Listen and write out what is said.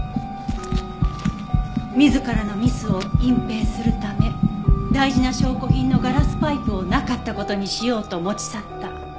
自らのミスを隠蔽するため大事な証拠品のガラスパイプをなかった事にしようと持ち去った。